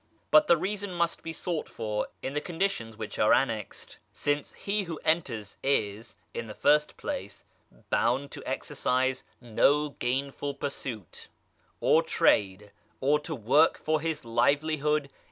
But the reason must be sought for in the conditions which are annexed, since he who enters is, in the first place, bound to exercise no gainful pursuit, or trade, or to work for his livelihood [p.